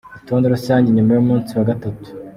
Urutonde rusange nyuma y’umunsi wa gatatu.